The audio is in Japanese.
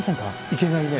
いけないね。